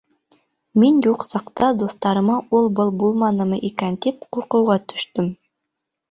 Мин юҡ саҡта дуҫтарыма ул-был булманымы икән тип ҡурҡыуға төштөм.